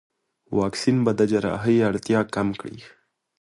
واکسین به د جراحي اړتیا کم کړي.